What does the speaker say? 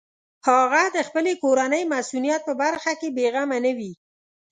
هغه د خپلې کورنۍ مصونیت په برخه کې بېغمه نه وي.